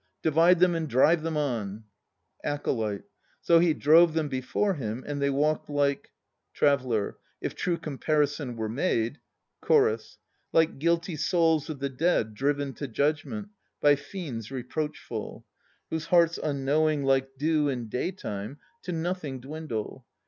Divide them and drive them on! ACOLYTE. So he drove them before him and they walked like ... TRAVELLER. If true comparison were made ... CHORUS. Like guilty souls of the Dead Driven to Judgment By fiends reproachful; Whose hearts unknowing Like dew in day time To nothing dwindle.